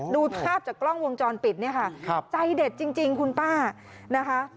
ดูภาพจากกล้องวงจรปิดเนี่ยค่ะใจเด็ดจริงคุณป้านะคะ